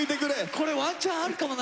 これワンチャンあるかもな！